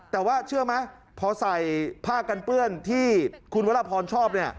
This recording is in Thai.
แต่ว่าเชื่อไหมพอใส่ผ้ากันเปื้อนที่คุณวรพรชอบเนี่ย